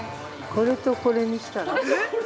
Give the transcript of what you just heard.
これとこれにしたら？